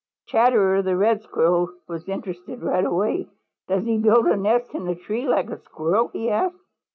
Chatterer the Red Squirrel was interested right away. "Does he build a nest in a tree like a Squirrel?" he asked.